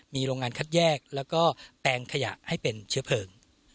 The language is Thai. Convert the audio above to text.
มีโรงงานคัดแยกแล้วก็แปลงขยะให้เป็นเชื้อเพลิง